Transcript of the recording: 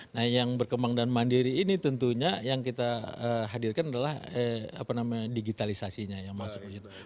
jadi yang berkembang dan mandiri ini tentunya yang kita hadirkan adalah digitalisasinya yang masuk ke situ